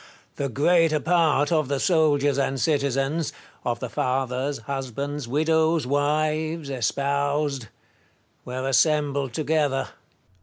The greater part of the soldiers and citizens — of the fathers, husbands, widows, wives, espoused — were assembled together.